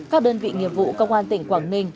các đơn vị nghiệp vụ công an tỉnh quảng ninh